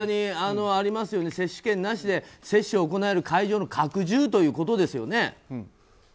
ですからこちらにありますように接種券なしで接種を行える会場の拡充ということですよね。